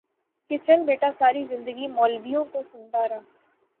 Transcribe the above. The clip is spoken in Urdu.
کہ چل بیٹا ساری زندگی مولبیوں کو سنتا رہ